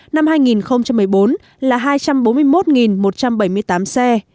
năm hai nghìn một mươi bảy tổng số lượng tiêu thụ ô tô là một trăm năm mươi ba một trăm chín mươi chín xe